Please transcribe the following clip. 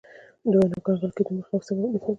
د ونو د کنګل کیدو مخه څنګه ونیسم؟